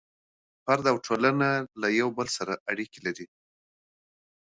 فرد او ټولنه يو له بل سره اړيکي لري.